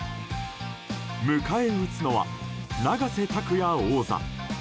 迎え撃つのは、永瀬拓矢王座。